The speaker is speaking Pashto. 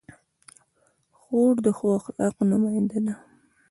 خور د ښو اخلاقو نماینده ده.